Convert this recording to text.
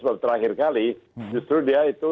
baru terakhir kali justru dia itu